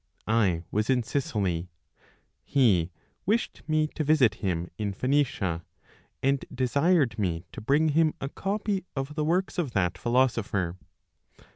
I was in Sicily; he wished me to visit him in Phoenicia, and desired me to bring him a copy of the works of that philosopher.